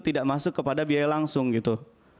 tidak masuk kepada biaya langsung gitu